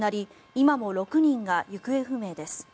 今も６人が行方不明です。